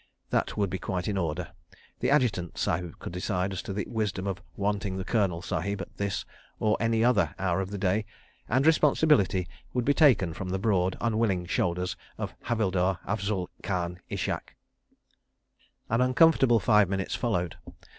(That would be quite in order; the Adjutant Sahib could decide as to the wisdom of "wanting" the Colonel Sahib at this—or any other—hour of the day; and responsibility would be taken from the broad, unwilling shoulders of Havildar Afzul Khan Ishak.) An uncomfortable five minutes followed.